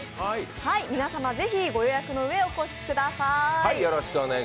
皆様、ぜひご予約のうえお越しください。